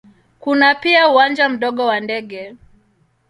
Kuna pia uwanja mdogo wa ndege.